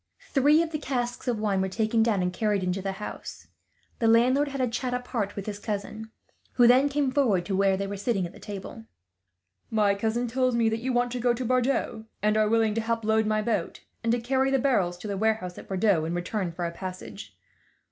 Three of the casks of wine were taken down, and carried into the house. The landlord had a chat apart with his cousin, who then came forward to where they were sitting at a table. "My cousin tells me you want to go to Bordeaux, and are willing to help load my boat, and to carry the barrels to the warehouse at Bordeaux, in return for a passage.